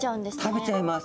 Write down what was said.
食べちゃいます。